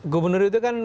gubernur itu kan